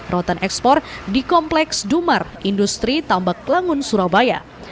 rotan ekspor di kompleks dumar industri tambak pelangun surabaya